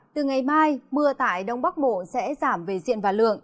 từ ngày mai mưa tại đông bắc bộ sẽ giảm về diện và lượng